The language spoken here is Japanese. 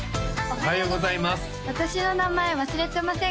おはようございます